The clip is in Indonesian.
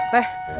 gak usah bayar